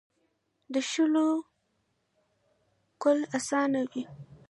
د شولو لو کول اسانه وي.